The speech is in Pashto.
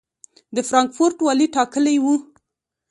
د فرانکفورټ والي ټاکلی و.